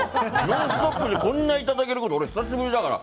「ノンストップ！」でこんなにいただけること俺、久しぶりだから。